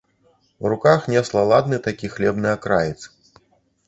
У руках несла ладны такі хлебны акраец.